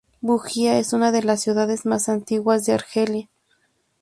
Bugía es una de las ciudades más antiguas de Argelia.